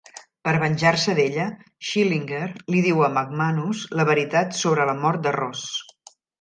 Per venjar-se d'ella, Schillinger li diu a McManus la veritat sobre la mort de Ross.